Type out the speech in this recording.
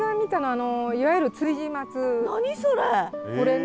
何それ！